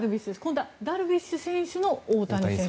今度はダルビッシュ選手、大谷選手。